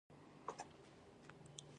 نن يې احمد ته خورا ګوسړې ورکړې.